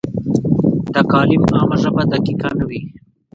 د کالم عامه ژبه دقیقه نه وي.